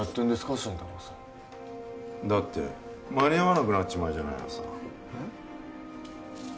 新太郎さんだって間に合わなくなっちまうじゃないのさえッ？